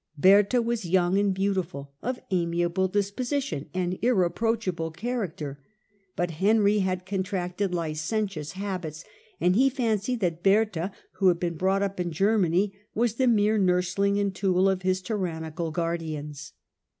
vm' " Bertha was young and beautiful, of amiable disposition and irreproachable character; but Henry had contracted licentious habits, and he fancied that Bertha, who had been brought up in Germany, was the mere nursling and tool of his tyrannical guardians.